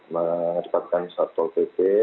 mesmo ketandasi planejernya ivel dari kapol pt